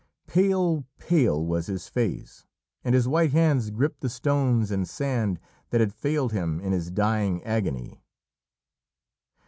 Pale, pale was his face, and his white hands gripped the stones and sand that had failed him in his dying agony.